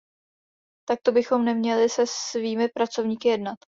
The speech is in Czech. Takto bychom neměli se svými pracovníky jednat.